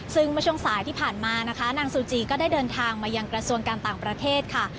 ซึ่งเมื่อช่วงสายที่ผ่านมานะคะนางซูจีก็ได้เดินทางมายังกระทรวงการต่างประเทศค่ะ